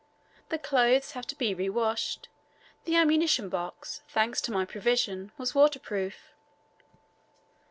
The clothes have to be re washed; the ammunition box, thanks to my provision, was waterproof.